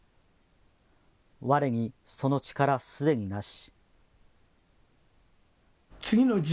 我れにその力すでになし。